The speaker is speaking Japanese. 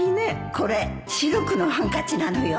これシルクのハンカチなのよ。